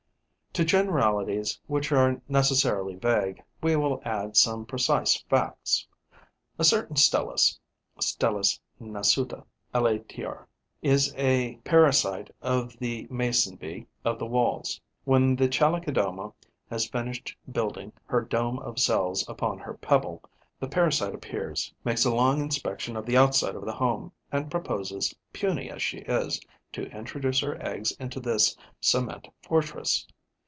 To generalities, which are necessarily vague, we will add some precise facts. A certain Stelis (Stelis nasuta, LATR.) is a parasite of the Mason bee of the Walls. When the Chalicodoma has finished building her dome of cells upon her pebble, the parasite appears, makes a long inspection of the outside of the home and proposes, puny as she is, to introduce her eggs into this cement fortress.